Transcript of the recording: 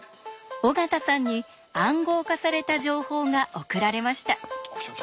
尾形さんに「暗号化された情報」が送られました。